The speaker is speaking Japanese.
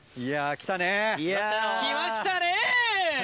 来ましたね！